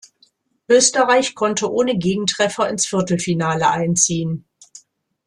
Österreich konnte ohne Gegentreffer ins Viertelfinale einziehen.